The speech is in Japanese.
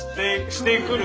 してくる？